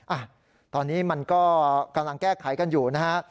อ่ะตอนนี้มันก็กำลังแก้ไขกันอยู่นะฮะ